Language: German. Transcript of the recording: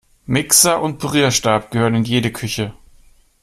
Mixer und Pürierstab gehören in jede Küche.